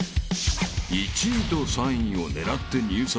［１位と３位を狙って入札］